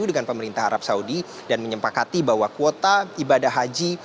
dengan pemerintah arab saudi dan menyempakati bahwa kuota ibadah haji